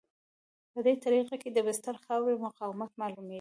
په دې طریقه کې د بستر د خاورې مقاومت معلومیږي